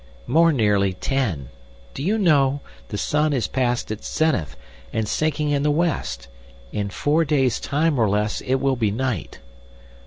"More nearly ten. Do you know, the sun is past its zenith, and sinking in the west. In four days' time or less it will be night."